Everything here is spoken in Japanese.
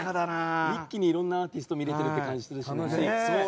一気にいろんなアーティスト見れてる感じがするしね。